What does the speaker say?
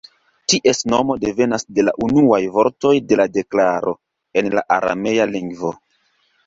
Ties nomo devenas de la unuaj vortoj de la deklaro en la aramea lingvo.